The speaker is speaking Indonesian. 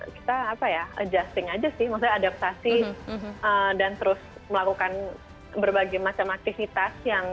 kita apa ya adjusting aja sih maksudnya adaptasi dan terus melakukan berbagai macam aktivitas yang